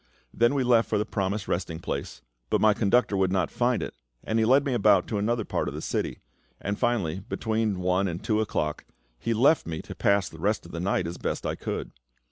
Then we left for the promised resting place; but my conductor would not find it, and he led me about to another part of the city; and finally, between one and two o'clock, he left me to pass the rest of the night as best I could.